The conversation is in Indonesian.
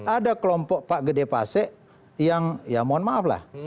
ada kelompok pak gede pase yang ya mohon maaflah